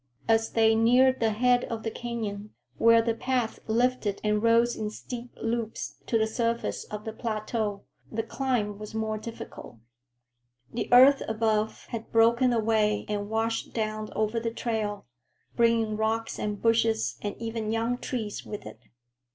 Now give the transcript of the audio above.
As they neared the head of the canyon, where the path lifted and rose in steep loops to the surface of the plateau, the climb was more difficult. The earth above had broken away and washed down over the trail, bringing rocks and bushes and even young trees with it.